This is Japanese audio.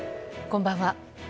こんばんは。